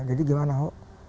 jadi gimana ahok